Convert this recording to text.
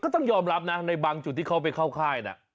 ต้องยอมรับนะในบางจุดที่เขาไปเข้าค่ายนะ